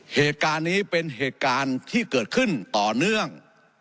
เหตุการณ์นี้เป็นเหตุการณ์ที่เกิดขึ้นต่อเนื่อง